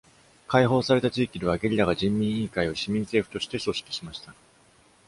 解放された地域では、ゲリラが人民委員会を市民政府として組織しました。